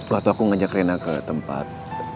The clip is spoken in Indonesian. waktu aku ngajak rena ke tempat